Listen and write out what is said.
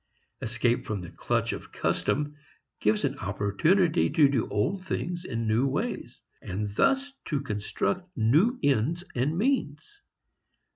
Escape from the clutch of custom gives an opportunity to do old things in new ways, and thus to construct new ends and means.